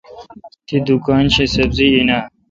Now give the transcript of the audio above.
تی دکان شی سبری این اں۔